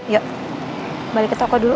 yuk kembali ke toko dulu